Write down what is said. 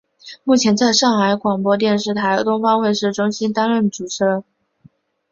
目前在上海广播电视台东方卫视中心担任主持人。